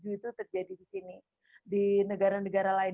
tujuh itu terjadi di sini di negara negara lain